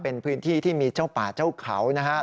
เป็นพื้นที่ที่มีเจ้าป่าเจ้าเขานะครับ